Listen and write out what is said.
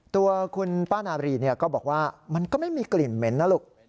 ตัวคุณป้านาบรีก็บอกว่ามันก็ไม่มีกลิ่นเหม็นนะลูก